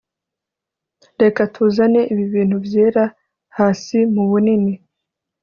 reka tuzane ibi bintu byera hasi mubunini